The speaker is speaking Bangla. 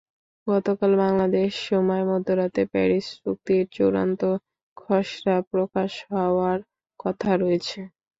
গতকাল বাংলাদেশ সময় মধ্যরাতে প্যারিস চুক্তির চূড়ান্ত খসড়া প্রকাশ হওয়ার কথা রয়েছে।